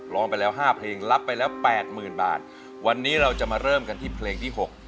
ร้องไปแล้ว๕เพลงรับไปแล้ว๘๐๐๐บาทวันนี้เราจะมาเริ่มกันที่เพลงที่๖